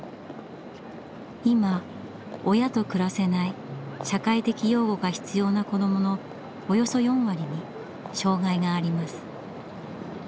今親と暮らせない社会的養護が必要な子どものおよそ４割に障害があります。